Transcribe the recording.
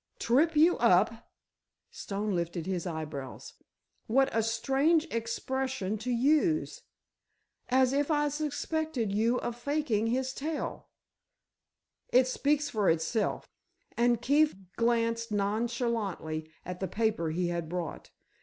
"Trip you up!" Stone lifted his eyebrows. "What a strange expression to use. As if I suspected you of faking his tale." "It speaks for itself," and Keefe glanced nonchalantly at the paper he had brought.